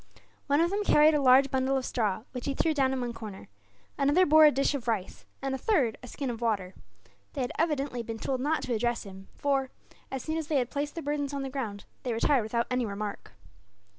One of them carried a large bundle of straw, which he threw down in one corner; another bore a dish of rice, and a third a skin of water. They had evidently been told not to address him for, as soon as they had placed their burdens on the ground, they retired without any remark.